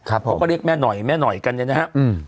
ครับผมเขาก็เรียกแม่หน่อยแม่หน่อยกันเนี้ยนะฮะอืม